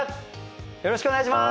よろしくお願いします。